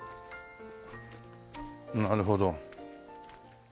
なるほど。